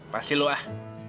pasi lu ah